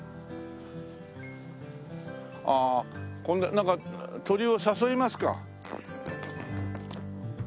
ああなんか鳥を誘いますか。